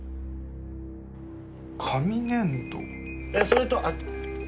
それとあっ。